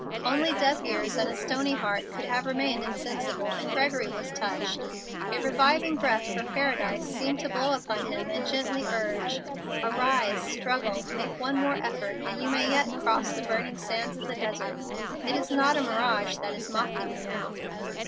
Only deaf ears and a stony heart could have remained insensible, and Gregory was touched. A reviving breath from Paradise seemed to blow upon him and gently urge, "Arise, struggle, make one more effort, and you may yet cross the burning sands of the desert. It is not a mirage that is mocking you now."